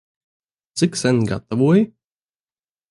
Cik sen gatavoji?